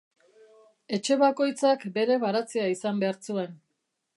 Etxe bakoitzak bere baratzea izan behar zuen.